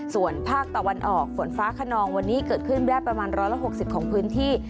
ส่วนภาคตะวันออกฝนฟ้าขนองวันนี้เกิดขึ้นได้ประมาณ๑๖๐ของพื้นที่